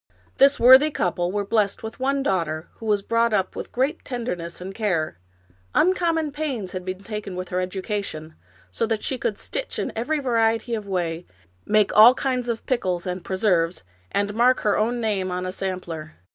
This worthy couple were blessed with one daughte*" who was brought up i66 Washington Irving with great tenderness and care ; uncommon pains had been taken with her education, so that she could stitch in every variety of way, make all kinds of pickles and preserves, and mark her own name on a sampler.